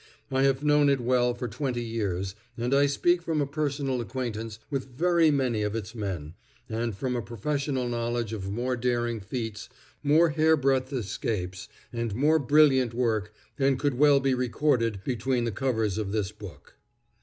I have known it well for twenty years, and I speak from a personal acquaintance with very many of its men, and from a professional knowledge of more daring feats, more hairbreadth escapes, and more brilliant work, than could well be recorded between the covers of this book.